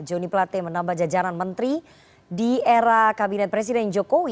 joni plate menambah jajaran menteri di era kabinet presiden jokowi